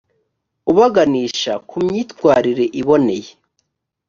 ubaganisha ku myitwarire iboneye